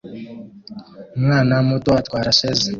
Umwana muto atwarasheze